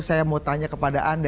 saya mau tanya kepada anda